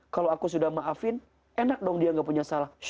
kalau aku sudah maafin enak dong dia gak punya salah